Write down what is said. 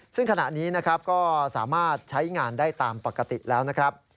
ซึ่งขณะนี้นะครับก็สามารถใช้งานได้ตามปกติแล้วนะครับ